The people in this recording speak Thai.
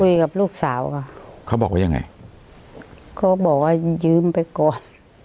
คุยกับลูกสาวค่ะเขาบอกว่ายังไงเขาบอกว่ายืมไปก่อน